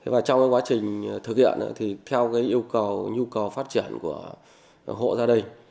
và trong cái quá trình thực hiện thì theo yêu cầu nhu cầu phát triển của hộ gia đình